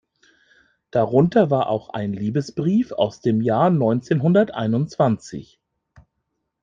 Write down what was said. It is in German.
Darunter war auch ein Liebesbrief aus dem Jahr neunzehnhunderteinundzwanzig.